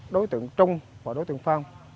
đối tượng trung và đối tượng phong